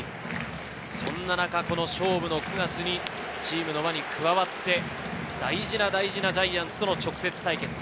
そんな中、勝負の９月にチームの輪に加わって、大事なジャイアンツとの直接対決。